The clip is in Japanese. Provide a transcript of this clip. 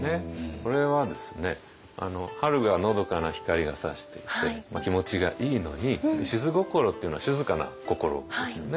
これはですね春がのどかな光がさしていて気持ちがいいのに「しづ心」っていうのは「静かな心」ですよね。